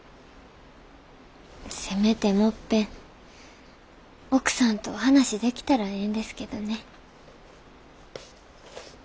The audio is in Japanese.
せめてもっぺん奥さんと話できたらええんですけどね。